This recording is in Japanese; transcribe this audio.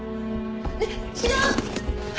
ねえ違う！